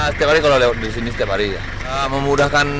setiap hari kalau lewat disini setiap hari ya